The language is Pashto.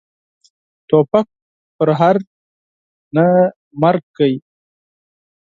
توپک پرهر نه، مرګ کوي.